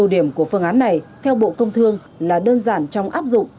điểm của phương án này theo bộ công thương là đơn giản trong áp dụng